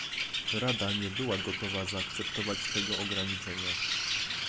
Rada nie była gotowa zaakceptować tego ograniczenia